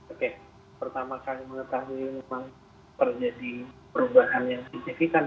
oke pertama kali mengetahui memang terjadi perubahan yang spesifikan